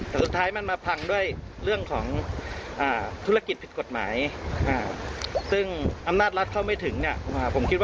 แต่สุดท้ายมันมาพังด้วยเรื่องของธุรกิจผิดกฎหมายซึ่งอำนาจรัฐเข้าไม่ถึงเนี่ย